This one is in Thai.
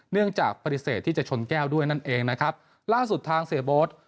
เนื่องจากปฏิเสธที่จะชนแก้วด้วยนั่นเองนะครับล่าสุดทางเสียโบ๊ท